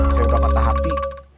saya udah kata hati